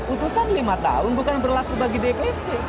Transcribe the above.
utusan lima tahun bukan berlaku bagi dpp